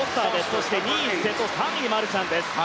そして２位、瀬戸３位、マルシャンです。